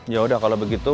ya udah kalau begitu